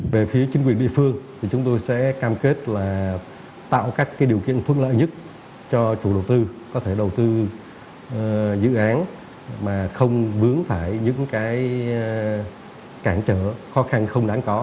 về phía chính quyền địa phương thì chúng tôi sẽ cam kết là tạo các điều kiện thuận lợi nhất cho chủ đầu tư có thể đầu tư dự án mà không vướng phải những cái cản trở khó khăn không đáng có